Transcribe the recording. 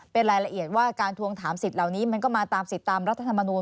เป็นรายละเอียดว่าการทวงถามสิทธิ์เหล่านี้มันก็มาตามสิทธิ์ตามรัฐธรรมนูล